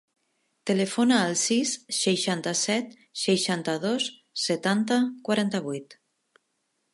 Telefona al sis, seixanta-set, seixanta-dos, setanta, quaranta-vuit.